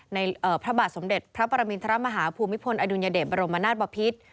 พระบาทสมเด็จพระปรมินทรมาฮาภูมิพลอดุลยเดชบรมนาศบพิษ